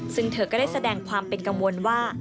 ซึ่งเธอก็ได้แสดงความเป็นกังวลว่า